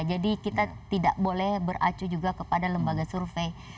jadi kita tidak boleh beracu juga kepada lembaga survei